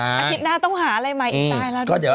อาทิตย์หน้าต้องหาอะไรใหม่อีกตายแล้วด้วย